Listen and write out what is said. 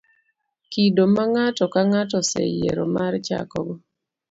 kido ma ng'ato ka ng'ato oseyiero mar chakogo.